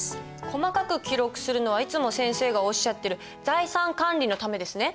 細かく記録するのはいつも先生がおっしゃってる財産管理のためですね。